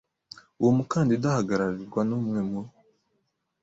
uwo mukandida ahagararirwa n umwe mu